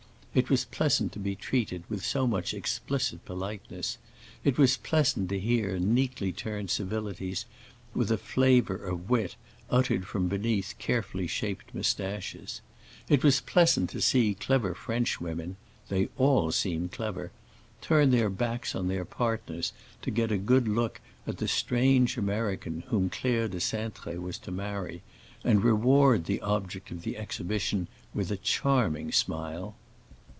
It was pleasant to be treated with so much explicit politeness; it was pleasant to hear neatly turned civilities, with a flavor of wit, uttered from beneath carefully shaped moustaches; it was pleasant to see clever Frenchwomen—they all seemed clever—turn their backs to their partners to get a good look at the strange American whom Claire de Cintré was to marry, and reward the object of the exhibition with a charming smile.